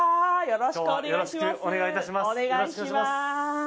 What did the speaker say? よろしくお願いします。